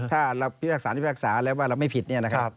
ถ้าเราพิพากษาพิพากษาแล้วว่าเราไม่ผิดเนี่ยนะครับ